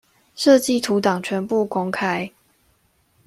設計圖檔全部公開